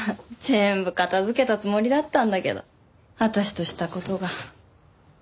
全部片づけたつもりだったんだけど私とした事が。